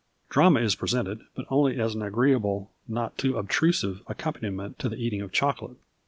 Drama is presented, but only as an agreeable, not too obtrusive, accom paniment to the eating of chocolate.